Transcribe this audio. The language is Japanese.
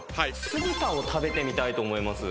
酢豚を食べてみたいと思います。